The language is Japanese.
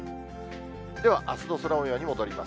ではあすの空もように戻ります。